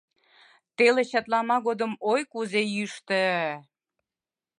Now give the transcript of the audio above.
Теле чатлама годым ой кузе йӱштӧ!..